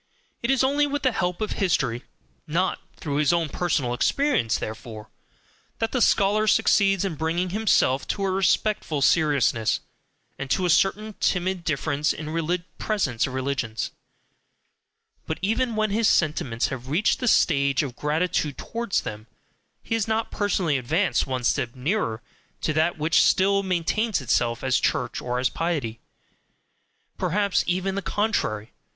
It is only with the help of history (NOT through his own personal experience, therefore) that the scholar succeeds in bringing himself to a respectful seriousness, and to a certain timid deference in presence of religions; but even when his sentiments have reached the stage of gratitude towards them, he has not personally advanced one step nearer to that which still maintains itself as Church or as piety; perhaps even the contrary.